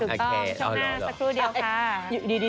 ถูกต้องช่วงหน้าสักครู่เดี๋ยวค่ะโอเคเอาล่ะ